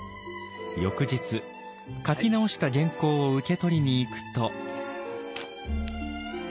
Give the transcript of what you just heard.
翌日描き直した原稿を受け取りに行くと。